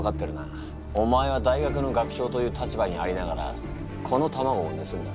お前は大学の学長という立場にありながらこの卵をぬすんだ。